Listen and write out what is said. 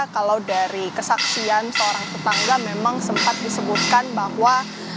kalau dari kesaksian seorang tetangga memang sempat disebutkan bahwa